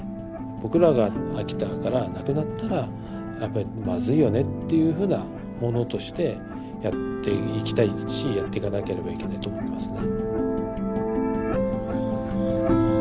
僕らが秋田からなくなったらやっぱりまずいよねっていうふうなものとしてやっていきたいですしやっていかなければいけないと思いますね。